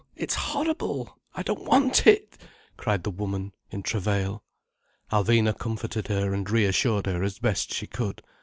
It's horrible! I don't want it!" cried the woman in travail. Alvina comforted her and reassured her as best she could.